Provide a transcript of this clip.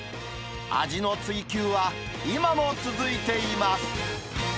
味の追求は今も続いています。